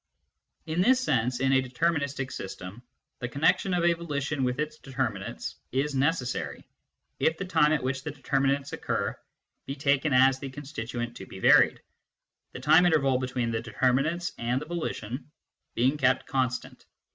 In this sense, in a deterministic system, the connection of a volition with its determinants is necessary, if the time at which the determinants occur be taken as the constituent to be varied, the time interval between the determinants and the volition being kept constant.